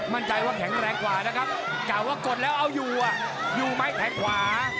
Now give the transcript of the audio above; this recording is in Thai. มั่นใจว่าแข็งแรงกว่านะครับกล่าวว่ากดแล้วเอาอยู่อยู่ไหมแทงขวา